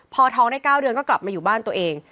พอท้องได้๙เดือนก็กลับมาอยู่บ้านตัวเอง